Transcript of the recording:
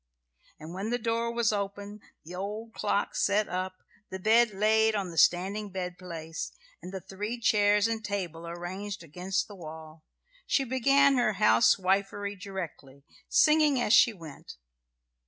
And when the door was open, the old clock set up, the bed laid on the standing bedplace, and the three chairs and table ranged against the wall, she began her house wifery directly, singing as she went.